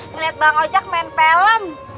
melihat bang ojak main film